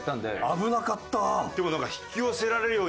危なかった！